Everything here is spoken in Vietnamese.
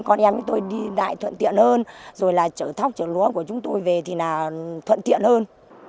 con em với tôi đi lại thuận tiện hơn rồi là chở thóc chở lúa của chúng tôi về thì thuận tiện hơn